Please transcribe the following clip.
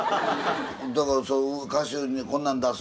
だから歌手「こんなん出す」